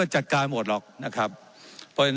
เจ้าหน้าที่ของรัฐมันก็เป็นผู้ใต้มิชชาท่านนมตรี